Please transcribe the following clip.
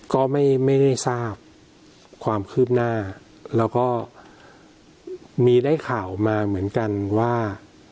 ก็ไม่ได้ทราบความคืบหน้าแล้วก็มีได้ข่าวมาเหมือนกันว่า